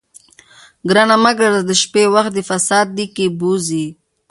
ګرانه مه ګرځه د شپې، وخت د فساد دي کښې بوځې